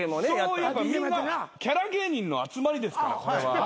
そういうみんなキャラ芸人の集まりですからこれは。